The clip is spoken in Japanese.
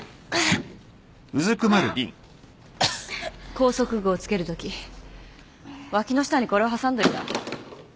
拘束具をつけるとき脇の下にこれを挟んどいた。